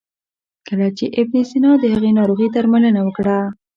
کله چې ابن سینا د هغه ناروغي درملنه وکړه.